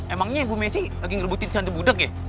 emangnya bu messi lagi ngerebutin si hantu budeg ya